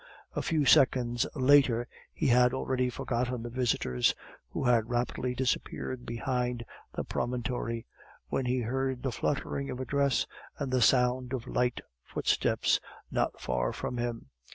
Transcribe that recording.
A few seconds later he had already forgotten the visitors, who had rapidly disappeared behind the promontory, when he heard the fluttering of a dress and the sound of light footsteps not far from him.